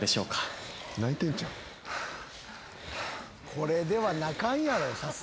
これでは泣かんやろさすがに。